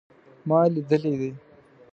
ما لیدلی دی